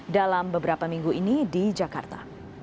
dalam beberapa minggu ini di jakarta